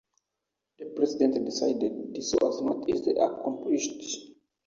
The president decided this was not easily accomplished.